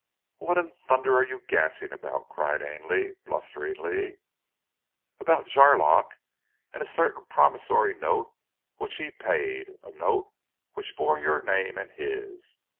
"What in thunder are you gassing about?" cried Ainley blusteringly. "About Jarlock and a certain promissory note which he paid, a note which bore your name and his.